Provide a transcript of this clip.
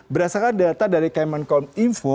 berdasarkan data dari kemenkom info